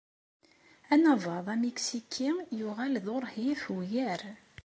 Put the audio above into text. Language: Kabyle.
Anabaḍ amiksiki yuɣal d uṛhif ugar.